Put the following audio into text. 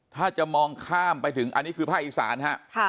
ถ้าจะมองข้ามไปถึงอันนี้คือภาคอีสานฮะ